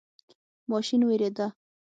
ماشین ویریده.